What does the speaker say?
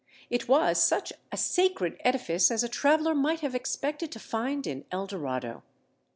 It was such a sacred edifice as a traveller might have expected to find in El Dorado.